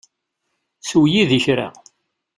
Sew yid-i kra.